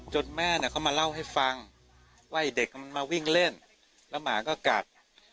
แม่เนี่ยเขามาเล่าให้ฟังว่าไอ้เด็กมันมาวิ่งเล่นแล้วหมาก็กัด